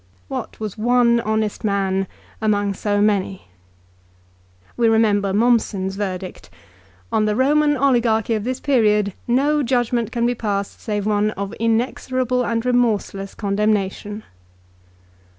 What was one honest man among so many ? We remember Mommsen's verdict. " On the Eoman oligarchy of this period no judgment can be passed save one of inexorable and remorseless condemnation."